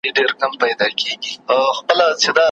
نه د چا غلیم یم نه حسد لرم په زړه کي